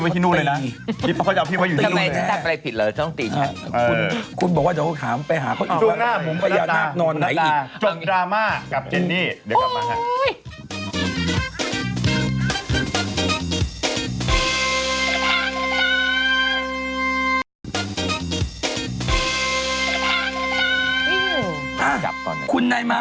ฉันไปได้ไหม